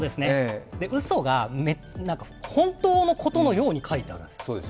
うそが、本当のことのように書いてあるんです。